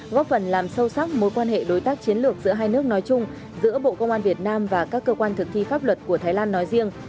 góp phần làm sâu sắc mối quan hệ đối tác chiến lược giữa hai nước nói chung giữa bộ công an việt nam và các cơ quan thực thi pháp luật của thái lan nói riêng